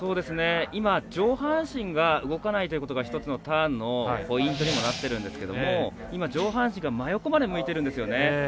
今、上半身が動かないということが１つのターンのポイントにもなっているんですけど今、上半身が真横まで向いてるんですよね。